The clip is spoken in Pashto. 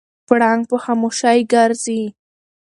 پړانګ په خاموشۍ ګرځي.